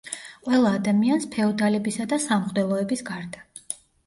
ყველა ადამიანს ფეოდალებისა და სამღვდელოების გარდა.